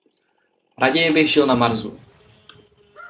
Raději bych žil na Marsu.